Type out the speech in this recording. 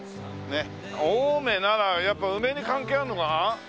青梅ならやっぱ梅に関係あるのかな？